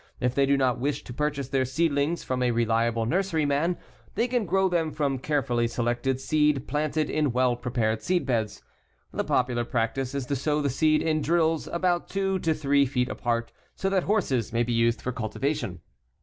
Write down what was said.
If they do not wish to purchase their seedlings from a reliable nursery man, they can grow them from carefully selected seed planted in well prepared seedbeds. The popular practice is to sow the seed in drills about 2 to 3 feet apart so that horses may be used for cultivation.